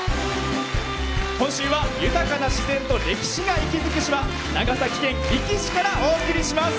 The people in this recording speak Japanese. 今週は豊かな自然と歴史が息づく島長崎県壱岐市からお送りします。